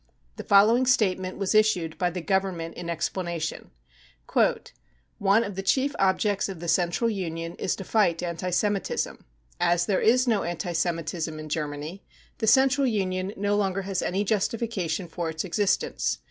The following state ment was issued by the Government in explanation :" Qrfc of the chief objects of the Central Union is to fight anti Semitism. As there is no anti Semitism in Germany, the Central Union no longer has any justification for its existence.